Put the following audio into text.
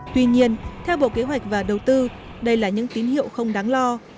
tuy nhiên theo bộ kế hoạch và đầu tư đây là những tín hiệu không đáng lo